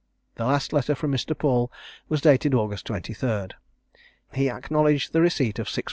The last letter from Mr. Paul was dated August 23. He acknowledged the receipt of 6_l.